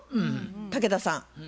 竹田さん。